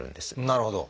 なるほど。